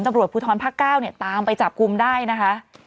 ตำรวจภูทรภาค๙เนี่ยตามไปจับกลุ่มได้นะคะ